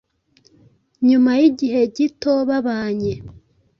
Nyuma y’igihe gito babanye